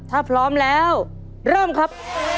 ถ้าพร้อมแล้วเริ่มครับ